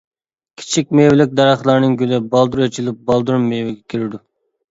كىچىك مېۋىلىك دەرەخلەرنىڭ گۈلى بالدۇر ئېچىلىپ، بالدۇر مېۋىگە كىرىدۇ.